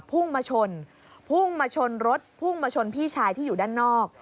พุ่งมาชนพุ่งมาชนรถพุ่งมาชนพี่ชายที่อยู่ด้านนอก